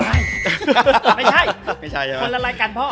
ไม่ใช่คนละลายกันพ่อ